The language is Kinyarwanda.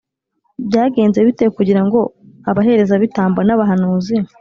Byagenze bite kugira ngo abaherezabitambo n’abahanuzi